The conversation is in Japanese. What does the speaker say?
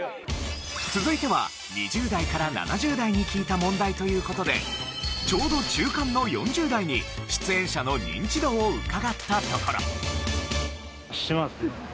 続いては２０代から７０代に聞いた問題という事でちょうど中間の４０代に出演者のニンチドを伺ったところ。